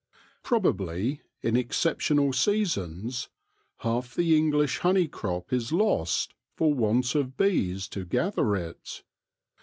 Probably, in exceptional seasons, half the English honey crop is lost for want of bees to gather it.